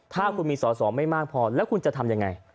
ถ้าคุณมีสอสอไม่มากพอแล้วคุณจะทำยังไง